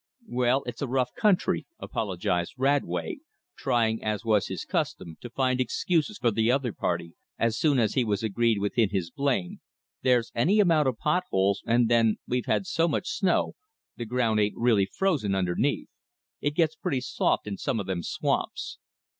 "Well, it's a rough country," apologized Radway, trying, as was his custom, to find excuses for the other party as soon as he was agreed with in his blame, "there's any amount of potholes; and, then, we've had so much snow the ground ain't really froze underneath. It gets pretty soft in some of them swamps.